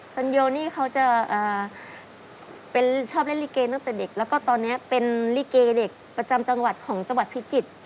สัญโยนี่เขาจะเป็นชอบเล่นลิเกตั้งแต่เด็กแล้วก็ตอนนี้เป็นลิเกเด็กประจำจังหวัดของจังหวัดพิจิตร